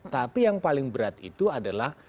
tapi yang paling berat itu adalah